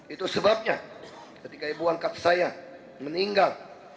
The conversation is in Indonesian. itu sebabnya ketika ibu angkat saya meninggal